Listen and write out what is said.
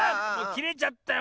きれちゃったよ